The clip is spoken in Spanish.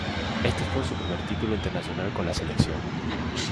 Este fue su primer título internacional con la selección.